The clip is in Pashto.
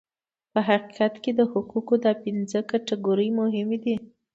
په حقیقت کې د حقوقو دا پنځه کټګورۍ مهمې دي.